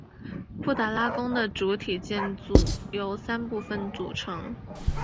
布达拉宫的主体建筑由三部分组成。